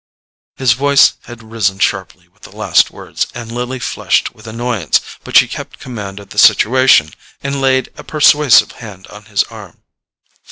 His voice had risen sharply with the last words, and Lily flushed with annoyance, but she kept command of the situation and laid a persuasive hand on his arm.